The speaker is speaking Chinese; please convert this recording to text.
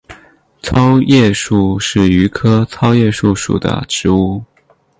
糙叶树是榆科糙叶树属的植物。